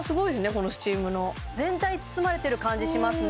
このスチームの全体包まれてる感じしますね